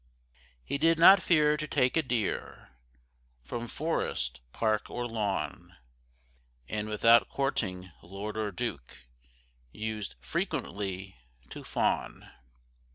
He did not fear to take a deer From forest, park, or lawn; And without courting lord or duke, Used frequently to fawn.